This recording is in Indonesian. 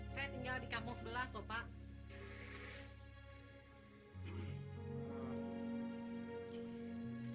saya tinggal di kampung sebelah kok pak